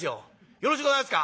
よろしゅうございますか」。